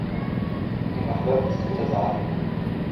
إن أحببت ، فتعال!